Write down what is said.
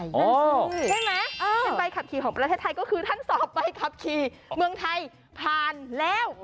นั่นสิใช่ไหมเป็นใบขับขี่ของประเทศไทยก็คือท่านสอบใบขับขี่เมืองไทยผ่านแล้ว